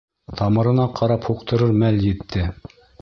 Тамырына ҡарап һуҡтырыр мәл етте.